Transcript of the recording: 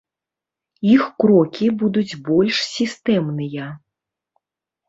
Іх крокі будуць больш сістэмныя.